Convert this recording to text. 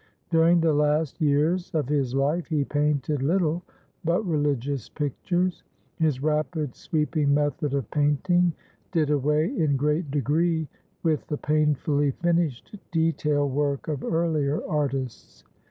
During the last years of his life, he painted little but religious pictures. His rapid, sweeping method of painting did away in great degree with the pain fully finished detail work of earlier artists.